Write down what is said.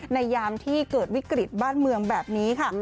ยามที่เกิดวิกฤตบ้านเมืองแบบนี้ค่ะ